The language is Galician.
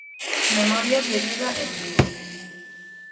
Memorias de vida en vivo.